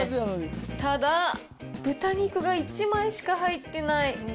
ただ、豚肉が１枚しか入ってない。